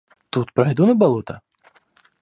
Тут пройду на болото?